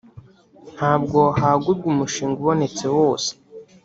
ntabwo hagurwa umushinga ubonetse wose